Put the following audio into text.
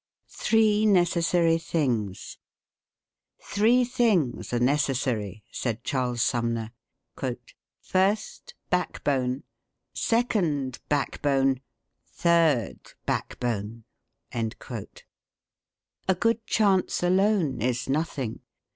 THREE NECESSARY THINGS. "Three things are necessary," said Charles Sumner, "first, backbone; second, backbone; third, backbone." A good chance alone is nothing.